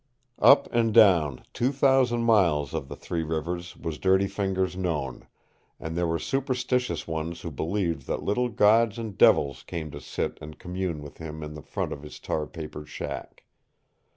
Up and down two thousand miles of the Three Rivers was Dirty Fingers known, and there were superstitious ones who believed that little gods and devils came to sit and commune with him in the front of the tar papered shack.